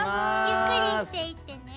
ゆっくりしていってね。